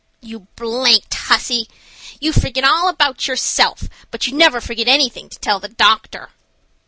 "You d—n hussy, you forget all about yourself, but you never forget anything to tell the doctor."